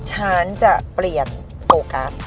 ฉันจะเปลี่ยนโฟกัส